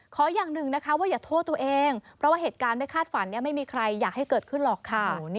อย่างหนึ่งนะคะว่าอย่าโทษตัวเองเพราะว่าเหตุการณ์ไม่คาดฝันไม่มีใครอยากให้เกิดขึ้นหรอกค่ะ